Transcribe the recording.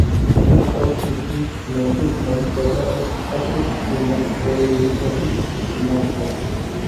This close distance to Memphis meant better access to necessary resources and manpower.